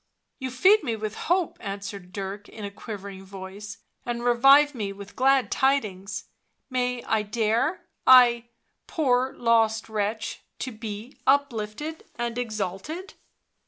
" You feed me with hope," answered Dirk in a quivering voice, " and revive me with glad tidings ... may I dare, I, poor lost wretch, to be uplifted and exalted?"